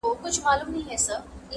که موچي غریب سي مړ قصاب ژوندی وي-